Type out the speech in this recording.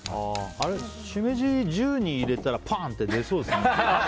シメジ、銃に入れたらパンッて出そうですね。